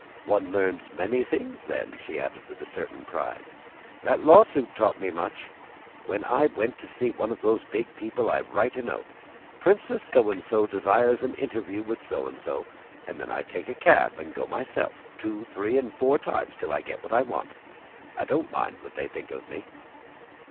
One learns many things then," she added with a certain pride. "That lawsuit taught me much. When I want to see one of those big people I write a note: 'Princess So and So desires an interview with So and So,' and then I take a cab and go myself two, three, or four times—till I get what I want. I don't mind what they think of me."